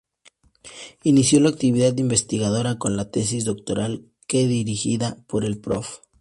Inició la actividad investigadora con la tesis doctoral, que, dirigida por el Prof.